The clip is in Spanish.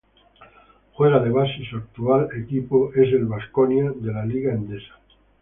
Juega de base y su actual equipo es el Baskonia de la Liga Endesa.